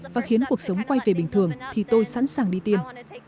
và khiến cuộc sống quay về bình thường thì tôi sẵn sàng đi tiêm